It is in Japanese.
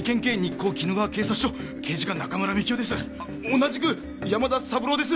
同じく山田三郎です。